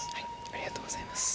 ありがとうございます。